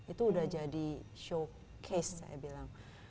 itu udah jadi showcase saya bilang